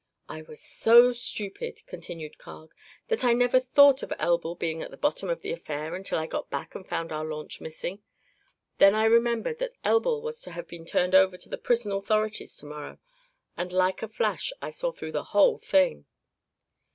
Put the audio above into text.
"I was so stupid," continued Carg, "that I never thought of Elbl being at the bottom of the affair until I got back and found our launch missing. Then I remembered that Elbl was to have been turned over to the prison authorities to morrow and like a flash I saw through the whole thing."